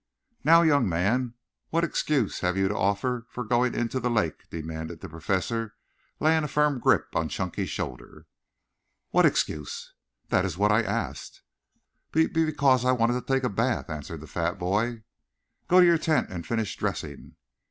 "Now, young man, what excuse have you to offer for going into the lake?" demanded the Professor, laying a firm grip on Chunky's shoulder. "What excuse?" "That is what I asked." "Be be because I wanted to take a bath," answered the fat boy. "Go to your tent and finish dressing."